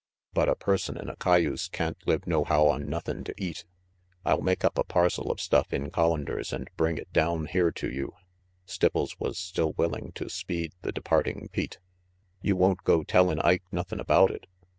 But a person an' a cayuse can't live nohow on nothin' to eat " 230 RANGY PETE "I'll make up a parcel of stuff in Collander's and bring it down here to you," Stipples was still willing to speed the departing Pete. "You won't go tellin' Ike nothin about it?"